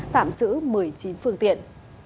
tạm giữ một mươi chín phương tiện